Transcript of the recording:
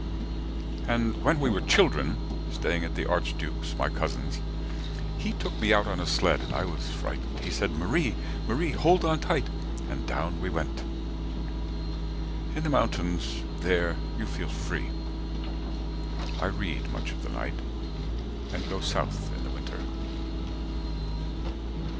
And when we were children, staying at the archduke's, My cousin's, he took me out on a sled, And I was frightened. He said, Marie, Marie, hold on tight. And down we went. In the mountains, there you feel free. I read, much of the night, and go south in the winter.